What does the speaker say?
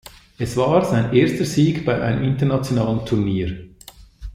Es war sein erster Sieg bei einem internationalen Turnier.